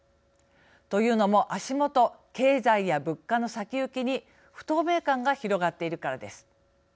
というのも、足元経済や物価の先行きに不透明感が広がっているからです。